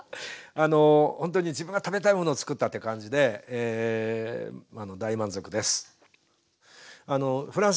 あのほんとに自分が食べたいものをつくったって感じで大満足です。